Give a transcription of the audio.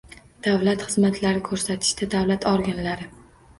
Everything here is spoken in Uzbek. Davlat xizmatlari ko‘rsatishda davlat organlari